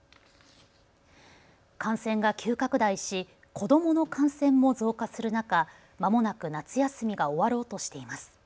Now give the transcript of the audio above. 感染が急拡大し、子どもの感染も増加する中、まもなく夏休みが終わろうとしています。